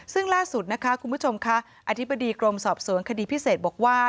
ซึ่งล่าสุดนะคะคุณผู้ชมค่ะอธิบดีกรมสอบสวนคดีพิเศษบอกว่า